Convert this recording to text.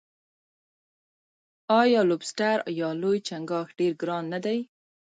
آیا لوبسټر یا لوی چنګاښ ډیر ګران نه دی؟